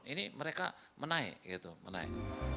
ini mereka menaik